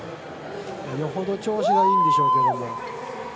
よほど調子がいいんでしょうけれど。